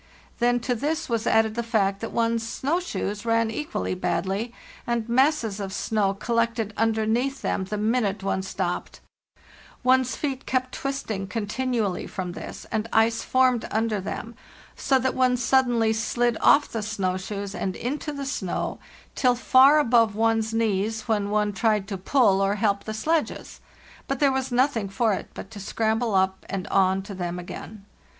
Then to this was added the fact that one's snow shoes ran equally badly, and masses of snow collected underneath them the minute one stopped; one's feet kept twisting continually from this, and ice formed under them, so that one sud denly slid off the snow shoes and into the snow, till far above one's knees, when one tried to pull or help the sledges; but there was nothing for it but to scramble up and on to them again.